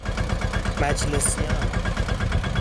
مجلسیان